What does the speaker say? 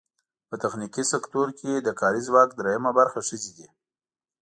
په تخنیکي سکټور کې د کاري ځواک درېیمه برخه ښځې دي.